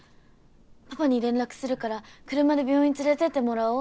パパに連絡するから車で病院連れてってもらおう。